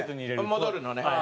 戻るのね。